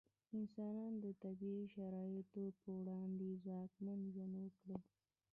انسانانو د طبیعي شرایطو په وړاندې ځواکمن ژوند وکړ.